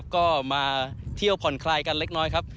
ก็มาเที่ยวผ่อนคลายกันเล็กน้อยครับ